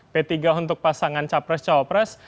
p tiga untuk pasangan capres cawapres